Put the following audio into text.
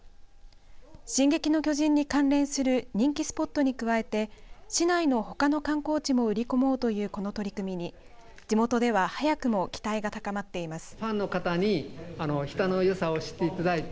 進撃の巨人に関連する人気スポットに加えて市内のほかの観光地も売り込もうというこの取り組みに地元では早くも期待が高まっています。